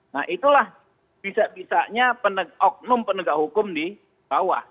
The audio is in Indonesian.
nah itulah bisa bisanya oknum penegak hukum di bawah